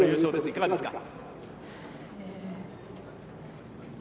いかがですか？